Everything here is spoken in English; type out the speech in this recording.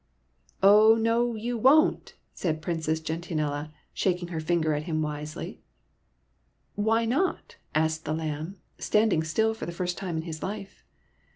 " Oh no, you won't !" said Princess Gentian ella, shaking her finger at him wisely. " Why not ?" asked the lamb, standing still for the first time in his life.